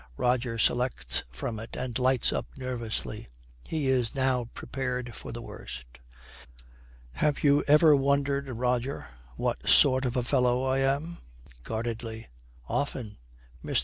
Roger selects from it and lights up nervously. He is now prepared for the worst. 'Have you ever wondered, Roger, what sort of a fellow I am?' Guardedly, 'Often.' Mr.